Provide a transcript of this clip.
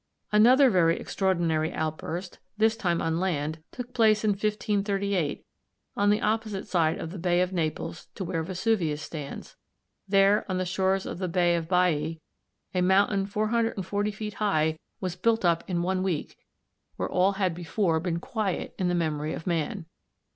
Another very extraordinary outburst, this time on land, took place in 1538 on the opposite side of the Bay of Naples to where Vesuvius stands. There, on the shores of the Bay of Baiæ, a mountain 440 feet high was built up in one week, where all had before been quiet in the memory of man.